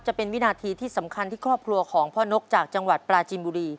จะเป็นวินาทีที่สำคัญที่ครอบครัวของพ่อนกจากจังหวัดปราจินบุรี